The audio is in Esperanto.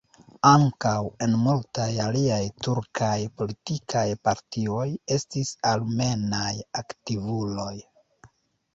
Ankaŭ en multaj aliaj turkaj politikaj partioj estis armenaj aktivuloj.